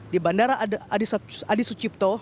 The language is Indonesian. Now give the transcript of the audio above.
di bandara adi sucipto